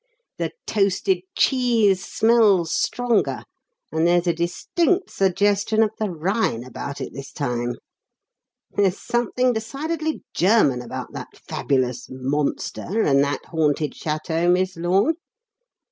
The toasted cheese smells stronger, and there's a distinct suggestion of the Rhine about it this time. There's something decidedly German about that fabulous 'monster' and that haunted château, Miss Lorne.